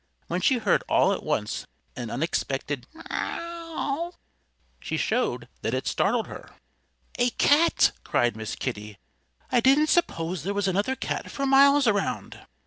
When she heard all at once an unexpected meaow she showed that it startled her. "A cat!" cried Miss Kitty. "I didn't suppose there was another cat for miles around."